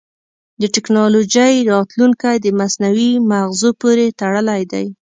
د ټکنالوجۍ راتلونکی د مصنوعي مغزو پورې تړلی دی.